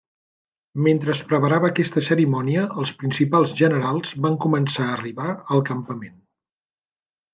Mentre es preparava aquesta cerimònia, els principals generals van començar a arribar al campament.